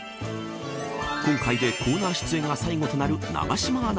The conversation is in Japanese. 今回でコーナー出演が最後となる永島アナ。